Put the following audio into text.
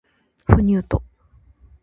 不入斗